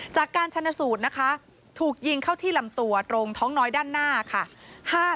จากการชนสูตรนะคะถูกยิงเข้าที่ลำตัวตรงท้องน้อยด้านหน้าค่ะ